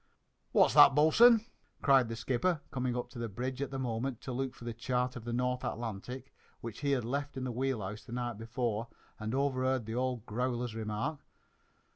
"What's that, bo'sun?" cried the skipper, coming up on the bridge at the moment to look for the chart of the North Atlantic, which he had left in the wheel house the night before, and overheard the old growler's remark.